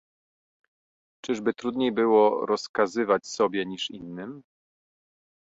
"Czyżby trudniej było rozkazywać sobie, niż innym?"